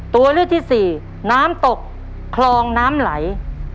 ตัวเลือกที่สี่น้ำตกคลองน้ำไหล